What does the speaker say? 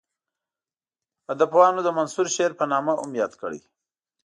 ادبپوهانو د منثور شعر په نامه هم یاد کړی.